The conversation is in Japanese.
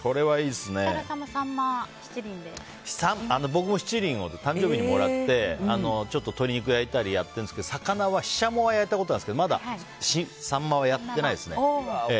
僕も七輪を誕生日にもらってちょっと鶏肉焼いたりやってるんですけど魚はシシャモは焼いたことあるんですけどまだサンマはやってないですね。